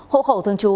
hộ khẩu thường trú